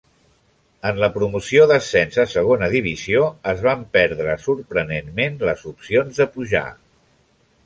En la promoció d'ascens a Segona Divisió es van perdre sorprenentment les opcions de pujar.